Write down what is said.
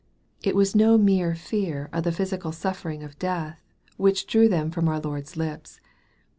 It was no mere fear of the physical suffering of death, which drew them from our Lord's lips.